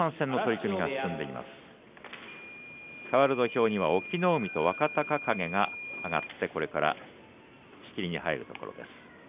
かわる土俵には隠岐の海と若隆景が上がって仕切りに入るところです。